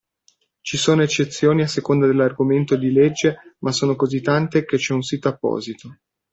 Ci sono eccezioni a seconda dell'argomento di legge ma sono così tante che c'è un sito apposito.